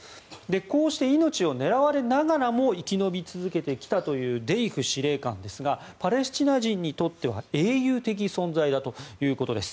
こうして命を狙われながらも生き延び続けてきたというデイフ司令官ですがパレスチナ人にとっては英雄的存在だということです。